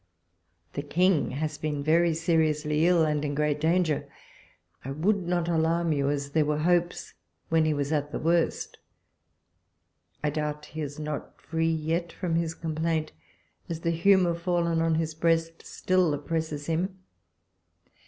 The King has been very seriously ill, and in great danger. I would not alarm you, as there were hopes when he was at the worst. I doubt he is not free yet from his complaint, as the humour fallen on his breast still oppresses him.